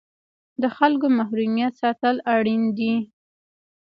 د خلکو محرمیت ساتل اړین دي؟